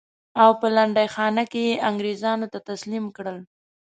او په لنډۍ خانه کې یې انګرېزانو ته تسلیم کړل.